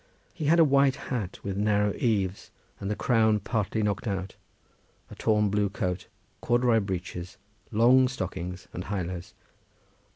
He had a white hat with narrow eaves, and the crown partly knocked out, a torn blue coat, corduroy breeches, long stockings and high lows.